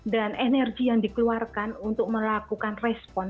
dan energi yang dikeluarkan untuk melakukan respon